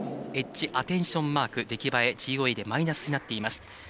エッジ、アテンションマーク出来栄え、ＧＯＥでマイナスになっています。